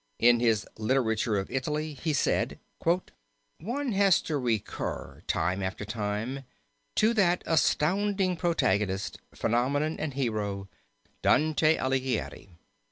In his Literature of Italy he said: "One has to recur time after time, to that astounding protagonist, phenomenon and hero, Dante Alighieri.